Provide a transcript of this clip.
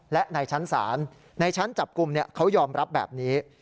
และในชั้นศาลในชั้นจับกลุ่มเขายอมรับแบบนี้